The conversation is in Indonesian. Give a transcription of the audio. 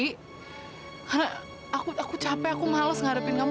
karena aku capek aku males ngarepin kamu